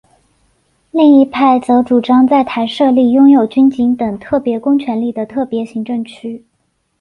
另一派则主张在台设立拥有军警等特别公权力的特别行政区。